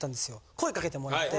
声かけてもらって。